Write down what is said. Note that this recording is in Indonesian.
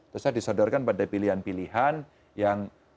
terus saya disodorkan pada pilihan pilihan yang